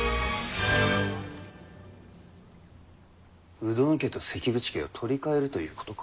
鵜殿家と関口家を取り替えるということか。